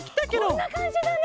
こんなかんじだね！